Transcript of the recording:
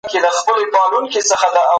تاسي په خپلو عزیزانو کي نېک بخته یاست.